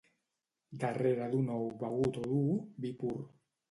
Darrere d'un ou begut o dur, vi pur.